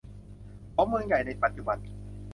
ของเมืองใหญ่ในปัจจุบัน